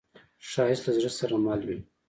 ښایست له زړه سره مل وي